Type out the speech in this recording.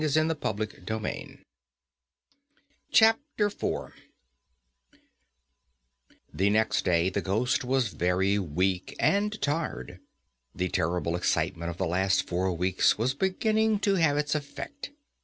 IV [Illustration: "HE MET WITH A SEVERE FALL"] The next day the ghost was very weak and tired. The terrible excitement of the last four weeks was beginning to have its effect.